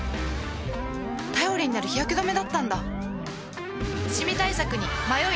頼りになる日焼け止めだったんだ